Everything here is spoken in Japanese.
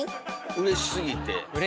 うれしすぎて。